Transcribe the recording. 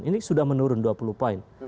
ini sudah menurun dua puluh poin